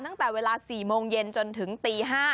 ตั้งแต่เวลา๔โมงเย็นจนถึงตี๕